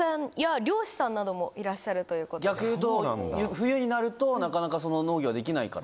冬になるとなかなか農業ができないから？